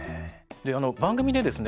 番組でですね